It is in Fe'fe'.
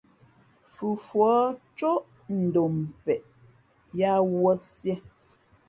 Fufuά cóʼ ndom peʼe , yāā wūᾱ sīē.